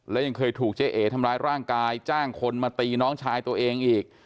และยังเคยถูกเจ๊เอ๋ทำร้ายร่างกายจ้างคนมาตีน้องชายตัวเองอีก